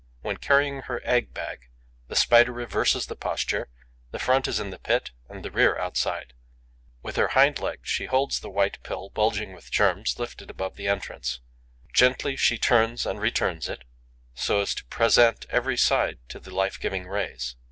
When carrying her egg bag, the Spider reverses the posture: the front is in the pit, the rear outside. With her hind legs she holds the white pill bulging with germs lifted above the entrance; gently she turns and returns it, so as to present every side to the life giving rays.